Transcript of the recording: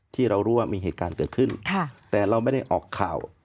ที่เรารู้ว่ามีเหตุการณ์เกิดขึ้นแต่เราไม่ได้ออกข่าว